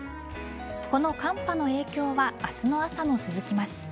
この寒波の影響は明日の朝も続きます。